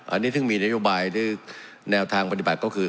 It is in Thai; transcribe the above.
อันนี้ซึ่งมีนโยบายหรือแนวทางปฏิบัติก็คือ